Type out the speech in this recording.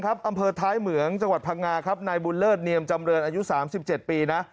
อำเภอท้ายเหมืองจังหวัดพังงาครับนายบุญเลิศเนียมจำเรินอายุ๓๗ปีนะ